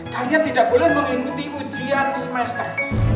kalian tidak boleh mengikuti ujian semester